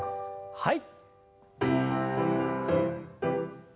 はい。